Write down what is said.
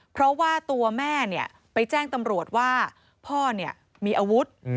เพราะว่าตัวแม่ไปแจ้งตำรวจว่าพ่อมีอาวุธ